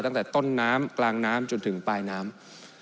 ตั้งแต่ต้นน้ำกลางน้ำจนถึงปลายน้ำ